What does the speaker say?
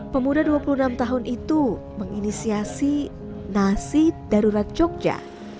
pemuda dua puluh enam tahun itu menginisiasi nasi darurat jogja